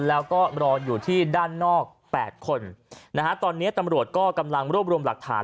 แล้วก็รออยู่ที่ด้านนอกแปดคนนะฮะตอนนี้ตำรวจก็กำลังรวบรวมหลักฐาน